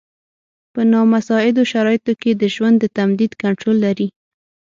په نامساعدو شرایطو کې د ژوند د تمدید کنټرول لري.